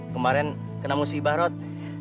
kemaren kena musibah rod